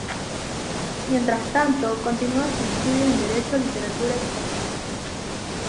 Mientras tanto, continúa sus estudios en Derecho, Literatura y Sonido.